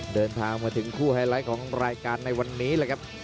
เดินทางมาถึงคู่ไฮไลท์ของรายการในวันนี้เลยครับ